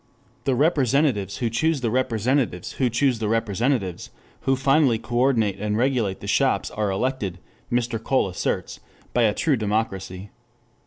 The representatives who choose the representatives who choose the representatives who finally "coordinate" and "regulate" the shops are elected, Mr. Cole asserts, by a true democracy.